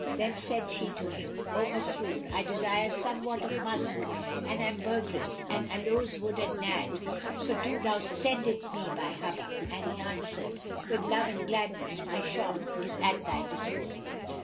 Then said she to him, "O Masrur, I desire somewhat of musk and ambergris and aloes wood and Nadd; so do thou send it me by Hubub;" and he answered, "With love and gladness; my shop is at thy disposal!"